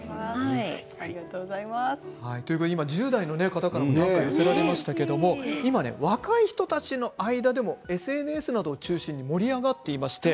１０代の方からも寄せられましたけれども今、若い人たちの間でもＳＮＳなどを中心に盛り上がっています。